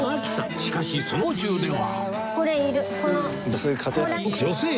しかしその道中では